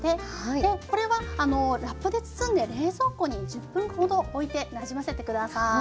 でこれはラップで包んで冷蔵庫に１０分ほどおいてなじませて下さい。